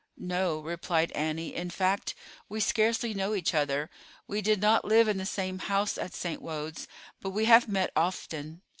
"No," replied Annie; "in fact we scarcely know each other. We did not live in the same house at St. Wode's, but we have met often.